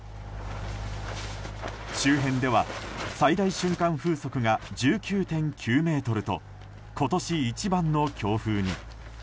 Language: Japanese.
周辺では、最大瞬間風速が１９．９メートルと今年一番の強風に。